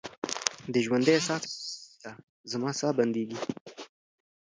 د ژوندۍ ساه څخه خالي ده، زما ساه بندیږې